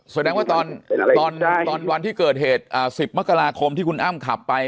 แสดงว่าตอนวันที่เกิดเหตุ๑๐มกราคมที่คุณอ้ำขับไป